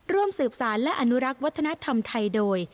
ร่วมสืบสารและอนุรักษ์วัฒนธรรมไทยโดย